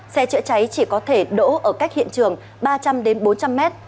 xe chữa cháy chỉ có thể đỗ ở cách hiện trường ba trăm linh bốn trăm linh m